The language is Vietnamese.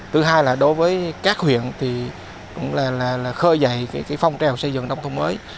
thứ hai là đối với các huyện thì cũng là khơi dậy phong trào xây dựng nông thôn mới